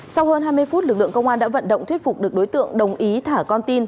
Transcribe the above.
sau hơn hai mươi phút lực lượng công an đã vận động thuyết phục được đối tượng đồng ý thả con tin